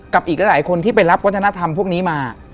อีกหลายคนที่ไปรับวัฒนธรรมพวกนี้มา